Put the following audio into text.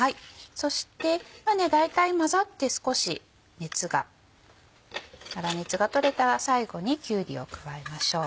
そして大体混ざって少し粗熱が取れたら最後にきゅうりを加えましょう。